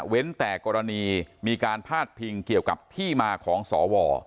แต่กรณีมีการพาดพิงเกี่ยวกับที่มาของสว